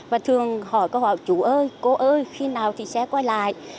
và thường hỏi câu hỏi chú ơi cô ơi khi nào thì xe quay lại